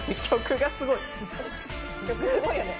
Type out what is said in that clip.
曲がすごい。